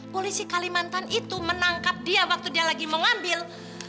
polisi kalimantan itu menangkap dia waktu dia lagi mengambil